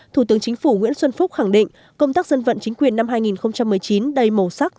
thủ tướng chính phủ nguyễn xuân phúc khẳng định công tác dân vận chính quyền năm hai nghìn một mươi chín đầy màu sắc